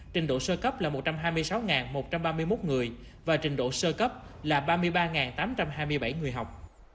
trình độ sơ cấp là một trăm hai mươi sáu một trăm ba mươi một người và trình độ sơ cấp là ba mươi ba tám trăm hai mươi bảy người học